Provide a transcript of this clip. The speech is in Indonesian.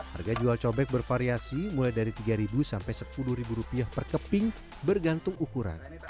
harga jual cobek bervariasi mulai dari rp tiga sampai rp sepuluh per keping bergantung ukuran